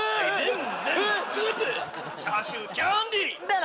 チャーシューキャンディーペロペロ麺